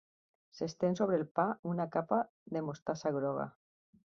S'estén sobre el pa una capa de mostassa groga.